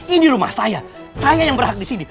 ini rumah saya saya yang berhak disini